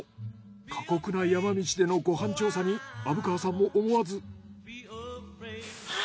過酷な山道でのご飯調査に虻川さんも思わず。